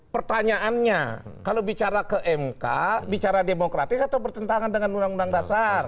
pertanyaannya kalau bicara ke mk bicara demokratis atau bertentangan dengan undang undang dasar